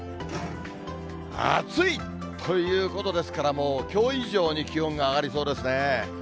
暑い！ということですから、きょう以上に気温が上がりそうですね。